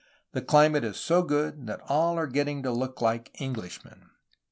The climate is so good that all are getting to look like Englishmen.